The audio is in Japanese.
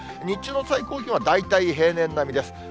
日中の最高気温は大体平年並みです。